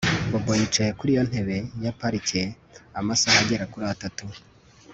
Bobo yicaye kuri iyo ntebe ya parike amasaha agera kuri atatu